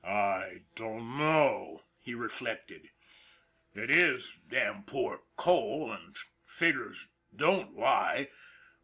" I don't know," he reflected. " It is damn poor coal, and and figures don't lie.